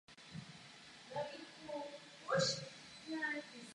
Musíme to učinit.